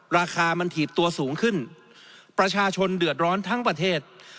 ราคามันถีบตัวสูงขึ้นประชาชนเดือดร้อนทั้งประเทศ